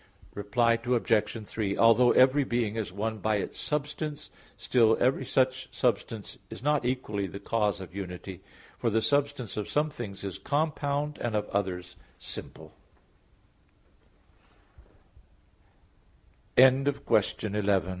Reply Obj. 3: Although every being is one by its substance, still every such substance is not equally the cause of unity; for the substance of some things is compound and of others sim